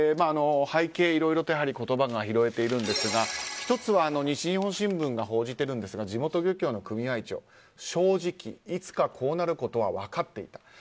背景、いろいろと言葉が拾えているんですが１つは西日本新聞が報じているんですが地元漁協の組合長正直、いつかこうなることは分かっていた。